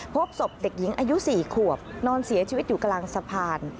พบศพเด็กหญิงอายุ๔ขวบนอนเสียชีวิตอยู่กลางสะพาน